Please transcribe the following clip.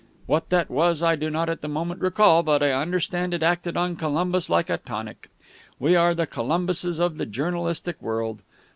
What that was, I do not at the moment recall, but I understand it acted on Columbus like a tonic. We are the Columbuses of the journalistic world.